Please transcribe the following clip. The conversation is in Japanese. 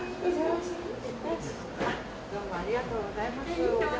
ありがとうございます。